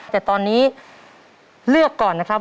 แต่ตอนนี้เลือกก่อนนะครับ